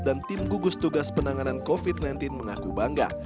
dan tim gugus tugas penanganan covid sembilan belas mengaku bangga